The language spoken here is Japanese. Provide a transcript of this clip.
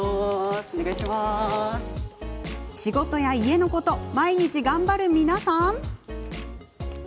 仕事や家のこと毎日、頑張る皆さん。